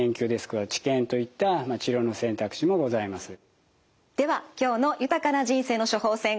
で一方ででは今日の「豊かな人生の処方せん」